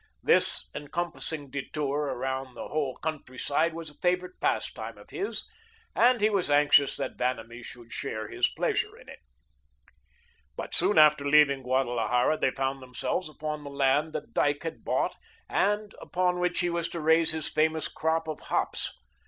This encompassing detour around the whole country side was a favorite pastime of his and he was anxious that Vanamee should share his pleasure in it. But soon after leaving Guadalajara, they found themselves upon the land that Dyke had bought and upon which he was to raise his famous crop of hops.